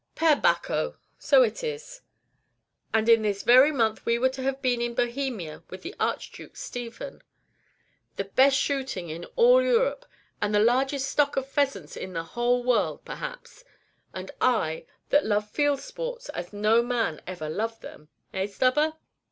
"Per Bacco! so it is; and in this very month we were to have been in Bohemia with the Archduke Stephen, the best shooting in all Europe, and the largest stock of pheasants in the whole world, perhaps; and I, that love field sports as no man ever loved them! Eh, Stubber?"